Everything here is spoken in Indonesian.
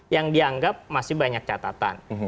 yang dianggap masih banyak catatan